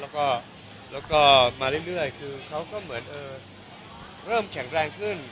แล้วก็มาเรื่อยคือเขาก็เหมือนเริ่มแข็งแรงขึ้น